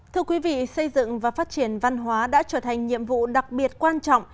thưa quý vị xây dựng và phát triển văn hóa đã trở thành nhiệm vụ đặc biệt quan trọng